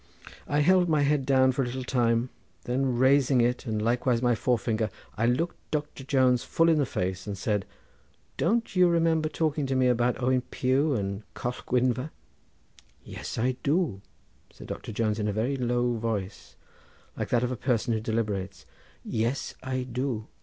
I held my head down for a little time, then raising it and likewise my forefinger I looked Doctor Jones full in the face and said, "Don't you remember talking to me about Owen Pugh and Coll Gwynfa?" "Yes, I do," said Doctor Jones in a very low voice, like that of a person who deliberates; "yes, I do.